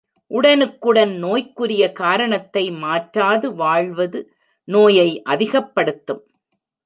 உடனுக்குடன் நோய்க்குரிய காரணத்தை மாற்றாது வாழ்வது, நோயை அதிகப்படுத்தும்.